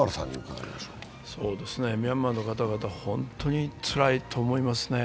ミャンマーの方々、本当につらいと思いますね。